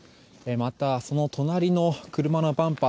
また、その隣の車のバンパー